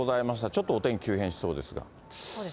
ちょっとお天気急変しそうですが。